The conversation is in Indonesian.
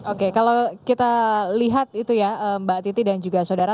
oke kalau kita lihat itu ya mbak titi dan juga saudara